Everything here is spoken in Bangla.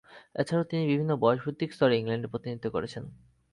এছাড়াও তিনি বিভিন্ন বয়সভিত্তিক স্তরে ইংল্যান্ডের প্রতিনিধিত্ব করেছেন।